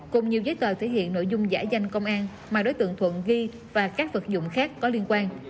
cùng nhiều giấy tờ thể hiện nội dung giả danh công an mà đối tượng thuận ghi và các vật dụng khác có liên quan